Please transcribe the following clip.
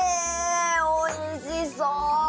おいしそう！